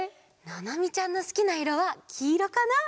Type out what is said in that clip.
ななみちゃんのすきないろはきいろかな？